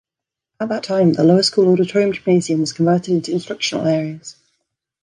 At that time, the Lower School Auditorium-gymnasium was converted into instructional areas.